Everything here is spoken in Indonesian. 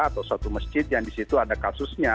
atau suatu masjid yang di situ ada kasusnya